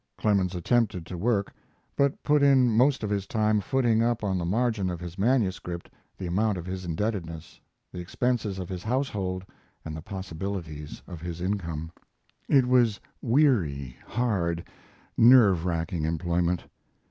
Clemens attempted to work, but put in most of his time footing up on the margin of his manuscript the amount of his indebtedness, the expenses of his household, and the possibilities of his income. It was weary, hard, nerve racking employment.